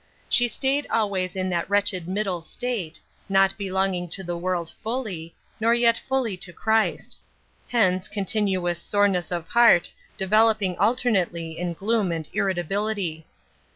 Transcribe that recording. She staid always in that wretched middle state, not belonging to the world fully, nor yet fully to Christ ; hence, con tinuous soreness of heart, developing alternately in gloom and irritability.